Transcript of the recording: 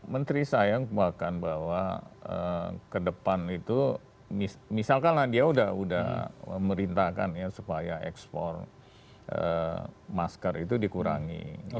menteri saya menguatkan bahwa ke depan itu misalkan dia sudah merintahkan supaya ekspor masker itu dikurangi